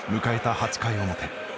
８回表。